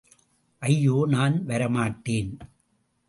ஐயோ, நான் வரமாட்டேன்.